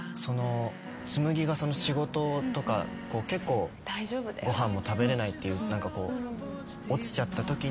紬が仕事とか結構ご飯も食べれないっていう何かこう落ちちゃったときに。